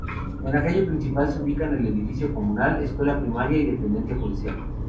En la calle principal se ubican el edificio comunal, escuela primaria y dependencia policial.